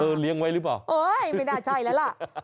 เลี้ยงไว้หรือเปล่าเอ้ยไม่น่าใช่แล้วล่ะ